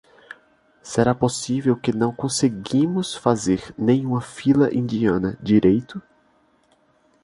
Será possível que não conseguimos fazer nem uma fila indiana direito?